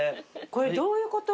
これどういうこと？